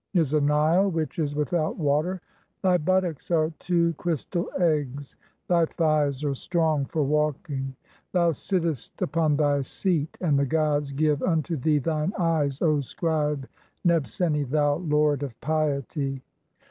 . "is a Nile which is without water; thy buttocks (21) are two "crystal eggs ; thy thighs are strong for walking ; thou sittest "upon thy seat ; and the gods [give] (22) unto thee thine eyes, "O scribe Nebseni, thou lord of piety."